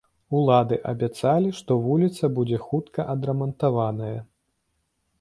Улады абяцалі, што вуліца будзе хутка адрамантаваная.